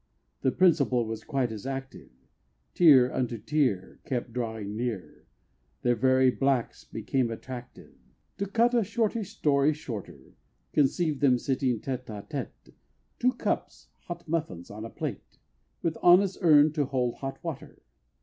The principle was quite as active Tear unto tear Kept drawing near, Their very blacks became attractive. To cut a shortish story shorter, Conceive them sitting tête à tête Two cups hot muffins on a plate With "Anna's Urn" to hold hot water!